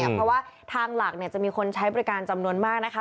เพราะว่าทางหลักจะมีคนใช้บริการจำนวนมากนะคะ